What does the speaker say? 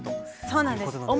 そうなんです。